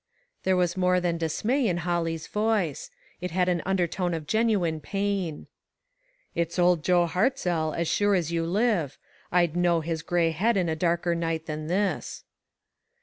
" There was more than dismay iu Holly's voice. It had an undertone of genuine pain. " It's old Joe Hartzell, as sure as you live. I'd know his gray head in a darker night than this."